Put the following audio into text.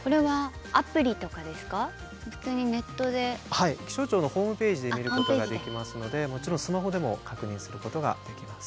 はい気象庁のホームページで見ることができますのでもちろんスマホでも確認することができます。